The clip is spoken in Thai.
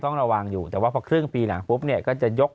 ต้องระวังอยู่แต่ว่าพอครึ่งปีหลังปุ๊บเนี่ยก็จะยก